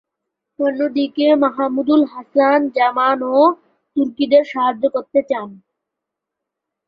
অন্যদিকে মাহমুদুল হাসান জার্মান ও তুর্কিদের সাহায্য চান।